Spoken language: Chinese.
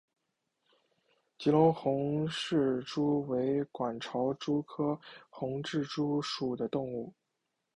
吉隆红螯蛛为管巢蛛科红螯蛛属的动物。